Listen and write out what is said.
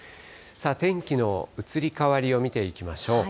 天気の移り変わりを見ていきましょう。